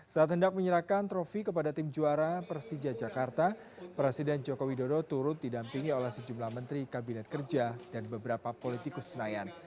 saat hendak menyerahkan trofi kepada tim juara persija jakarta presiden jokowi dodo turut didampingi oleh sejumlah menteri kabinet kerja dan beberapa politikus senayan